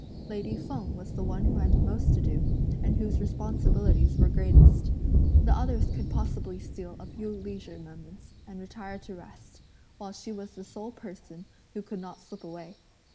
Lady Feng was the one who had most to do, and whose responsibilities were greatest. The others could possibly steal a few leisure moments and retire to rest, while she was the sole person who could not slip away.